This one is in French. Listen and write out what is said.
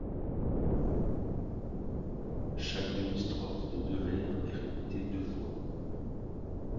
Chaque demi-strophe de deux vers est répétée deux fois.